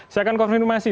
saya akan konfirmasi